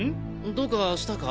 どうかしたか？